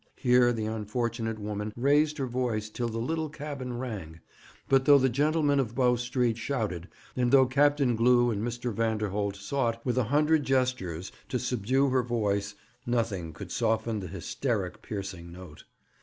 Here the unfortunate woman raised her voice till the little cabin rang; but though the gentlemen of Bow Street shouted, and though Captain Glew and Mr. Vanderholt sought, with a hundred gestures, to subdue her voice, nothing could soften the hysteric, piercing note.